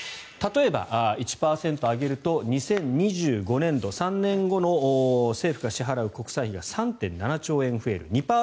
例えば、１％上げると２０２５年度３年後の政府が支払う国債費が３．７兆円増える。